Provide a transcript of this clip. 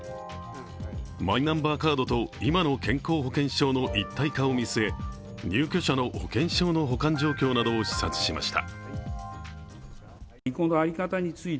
マイナンバーカードと今の健康保険証の一体化を見据え入居者の保険証の保管状況などを視察しました。